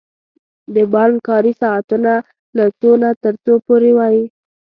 د بانک کاری ساعتونه له څو نه تر څو پوری وی؟